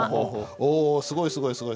おおすごいすごいすごい。